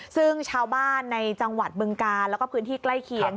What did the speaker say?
ซึ่งชาวบ้านในจังหวัดบึงกาลแล้วก็พื้นที่ใกล้เคียง